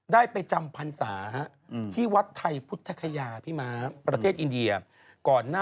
กาย่าเนี่ยวันที่๑๓เมษายน